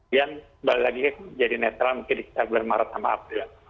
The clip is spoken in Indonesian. dan balik lagi jadi netral mungkin di bulan maret sama april